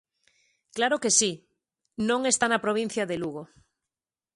Claro que si, non está na provincia de Lugo.